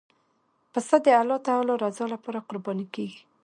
پسه د الله تعالی رضا لپاره قرباني کېږي.